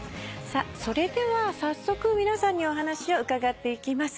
それでは早速皆さんにお話を伺っていきます。